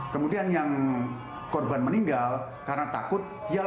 kemudian yang korban meninggal karena takut dia lari